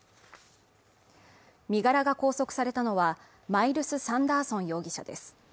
身柄が拘束されたのはマイルス・サンダーソン容疑者です